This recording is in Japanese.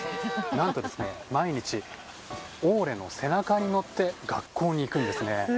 何と、毎日オーレの背中に乗って学校に行くんですね。